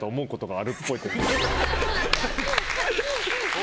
あ、△。